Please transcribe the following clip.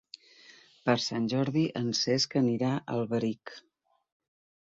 Per Sant Jordi en Cesc anirà a Alberic.